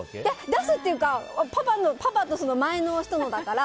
出すっていうかパパと前の人のだから。